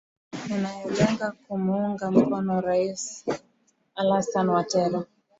yanayolenga kumuunga mkono rais alasan watera